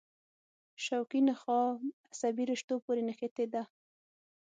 شوکي نخاع عصبي رشتو پورې نښتې ده.